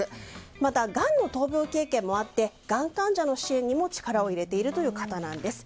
また、がんの闘病経験もあってがん患者の支援にも力を入れているという方なんです。